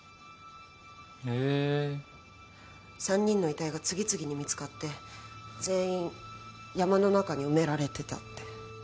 ３人の遺体が次々に見つかって全員山の中に埋められてたって。